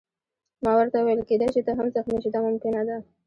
ما ورته وویل: کېدای شي ته هم زخمي شې، دا ممکنه ده.